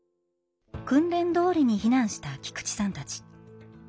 訓練どおりに避難した菊池さんたち。